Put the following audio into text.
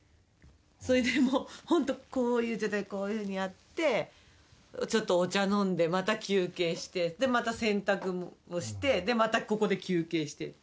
それでもう、本当、こういう状態、こういうふうにやって、ちょっとお茶飲んで、また休憩して、で、また、洗濯をして、でまた、ここで休憩して。